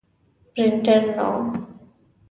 پرنټر نه و.